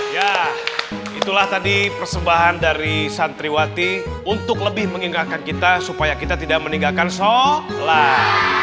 ya itulah tadi persembahan dari santriwati untuk lebih mengingatkan kita supaya kita tidak meninggalkan sholat